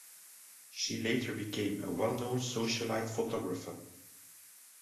She later became a well-known socialite photographer.